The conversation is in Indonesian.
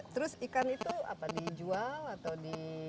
terus ikan itu apa dijual atau di